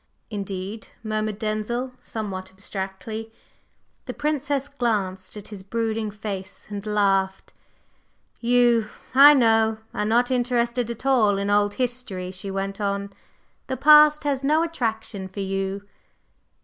"Indeed!" murmured Denzil, somewhat abstractedly. The Princess glanced at his brooding face and laughed. "You, I know, are not interested at all in old history," she went on. "The past has no attraction for you."